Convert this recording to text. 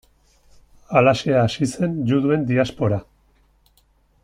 Halaxe hasi zen juduen diaspora.